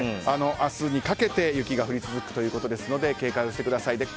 明日にかけて雪が降り続くということですのでこれから警戒してください。